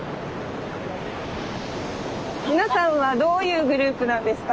皆さんはどういうグループなんですか？